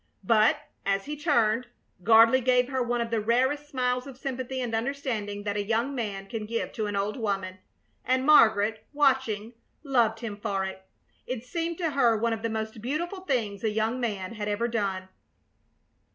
But, as he turned, Gardley gave her one of the rarest smiles of sympathy and understanding that a young man can give to an old woman; and Margaret, watching, loved him for it. It seemed to her one of the most beautiful things a young man had ever done.